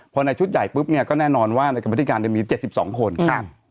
พอในชุดใหญ่ปุ๊บเนี้ยก็แน่นอนว่าในกรรมพิธีการจะมีเจ็ดสิบสองคนอืม